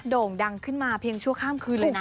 โด่งดังขึ้นมาเพียงชั่วข้ามคืนเลยนะ